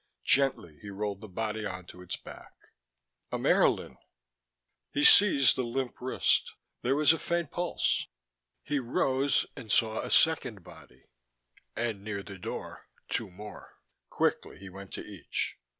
Gently he rolled the body onto its back. Ammaerln! He seized the limp wrist. There was a faint pulse. He rose and saw a second body and, near the door, two more. Quickly he went to each....